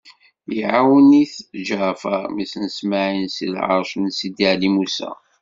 Iɛawen-it Ǧeɛfeṛ, mmi-s n Smaɛil, si lɛeṛc n Sidi Ɛli Musa.